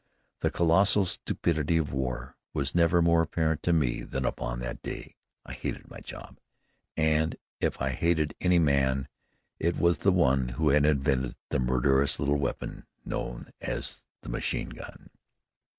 The colossal stupidity of war was never more apparent to me than upon that day. I hated my job, and if I hated any man, it was the one who had invented the murderous little weapon known as a machine gun.